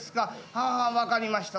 はあはあ分かりました。